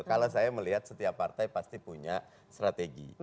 kalau saya melihat setiap partai pasti punya strategi